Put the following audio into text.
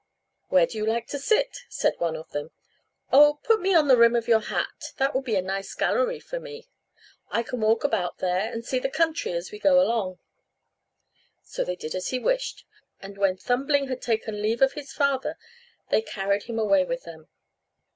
"Where do you like to sit?" said one of them. "Oh! put me on the rim of your hat, that will be a nice gallery for me; I can walk about there, and see the country as we go along." So they did as he wished; and when Thumbling had taken leave of his father, they carried him away with them.